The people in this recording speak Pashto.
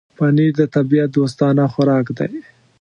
پنېر د طبيعت دوستانه خوراک دی.